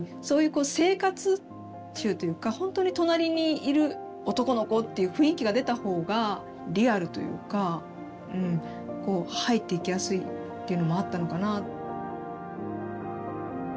そういうこう生活臭というかほんとに隣にいる男の子っていう雰囲気が出た方がリアルというかこう入っていきやすいっていうのもあったのかな。